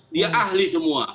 dia ahli semua